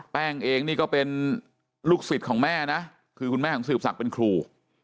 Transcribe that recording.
แป้งเองนี่ก็เป็นลูกศิษย์ของแม่นะคือคุณแม่ของสืบศักดิ์เป็นครู